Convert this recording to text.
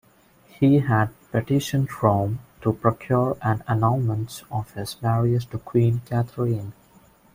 He had petitioned Rome to procure an annulment of his marriage to Queen Catherine.